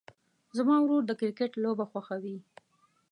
زما ورور د کرکټ لوبه خوښوي.